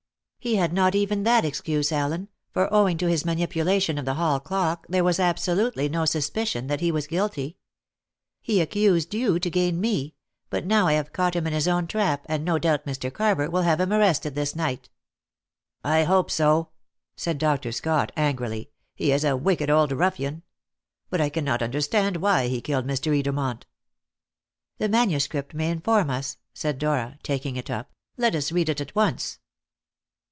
"He had not even that excuse, Allen; for, owing to his manipulation of the hall clock, there was absolutely no suspicion that he was guilty. He accused you to gain me, but now I have caught him in his own trap, and no doubt Mr. Carver will have him arrested this night." "I hope so," said Dr. Scott angrily; "he is a wicked old ruffian! But I cannot understand why he killed Mr. Edermont." "The manuscript may inform us," said Dora, taking it up. "Let us read it at once."